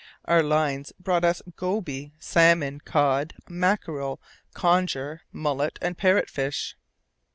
Our lines brought us goby, salmon, cod, mackerel, conger, mullet, and parrot fish.